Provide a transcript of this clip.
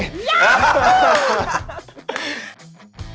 ยั๊บ